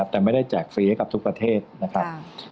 แต่ไม่ได้แจกฟรีให้กับทุกประเทศนะครับ